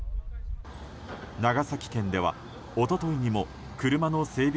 長崎県では一昨日にも車の整備